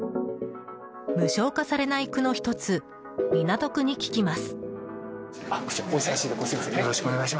無償化されない区の１つ港区に聞きます。